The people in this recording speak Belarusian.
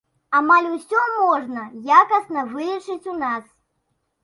Амаль усё можна якасна вылечыць у нас.